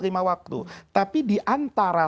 lima waktu tapi diantara